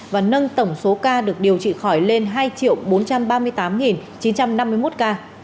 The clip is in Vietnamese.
và nâng tổng số ca được điều trị khỏi lên hai bốn trăm ba mươi tám chín trăm năm mươi một ca